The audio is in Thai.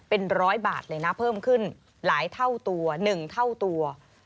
เป็นร้อยบาทเลยนะเพิ่มขึ้นหลายเท่าตัว๑เท่าตัว